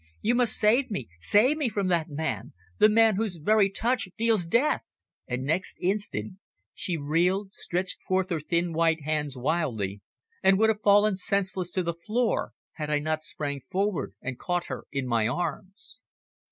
You must save me, save me from that man the man whose very touch deals death!" And next instant she reeled, stretched forth her thin white hands wildly, and would have fallen senseless to the floor had I not sprang forward and caught her in my arms.